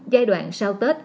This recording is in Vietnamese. giai đoạn sau tết